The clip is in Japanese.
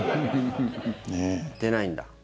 出ないんだ。